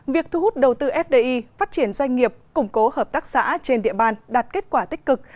việc thu hút đầu tư fdi phát triển doanh nghiệp củng cố hợp tác xã trên địa bàn đạt kết quả tích cực